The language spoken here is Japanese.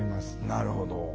なるほど。